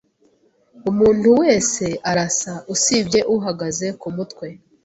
Umuntu wese arasa, usibye uhagaze kumutwe.